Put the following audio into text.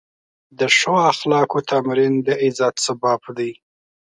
د ښو اخلاقو تمرین د عزت سبب دی.